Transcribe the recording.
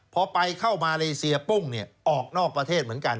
พอไปเข้ามาเลเซียปุ้งออกนอกประเทศเหมือนกัน